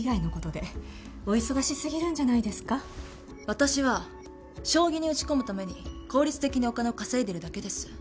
私は将棋に打ち込むために効率的にお金を稼いでいるだけです。